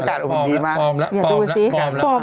อากาศอุ่นดีมากอยากดูสิปลอมละปลอมละ